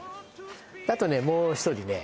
あとねもう一人ね